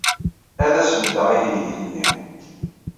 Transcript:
Ad as-beddeɣ i teydit-nni.